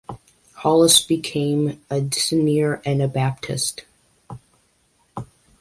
Hollis became an dissenter and Baptist.